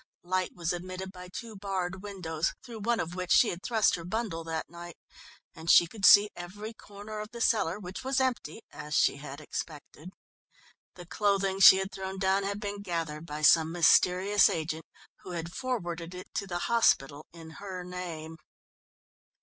Light was admitted by two barred windows, through one of which she had thrust her bundle that night, and she could see every corner of the cellar, which was empty as she had expected. The clothing she had thrown down had been gathered by some mysterious agent, who had forwarded it to the hospital in her name.